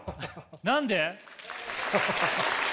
何で？